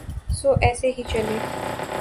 سو ایسے ہی چلے۔